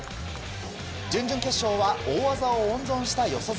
準々決勝は大技を温存した四十住。